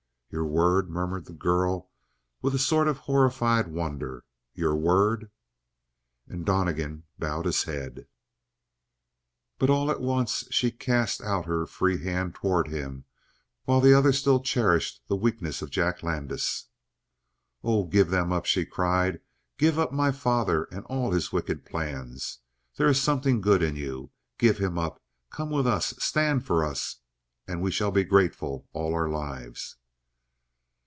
"Your word!" murmured the girl with a sort of horrified wonder. "Your word!" And Donnegan bowed his head. But all at once she cast out her free hand toward him, while the other still cherished the weakness of Jack Landis. "Oh, give them up!" she cried. "Give up my father and all his wicked plans. There is something good in you. Give him up; come with us; stand for us: and we shall be grateful all our lives!"